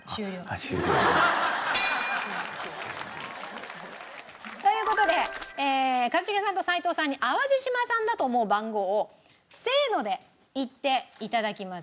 あっ終了ね。という事で一茂さんと齋藤さんに淡路島産だと思う番号をせーので言って頂きます。